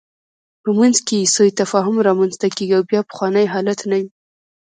په منځ کې یې سوء تفاهم رامنځته کېږي او بیا پخوانی حالت نه وي.